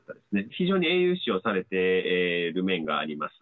非常に英雄視をされている面があります。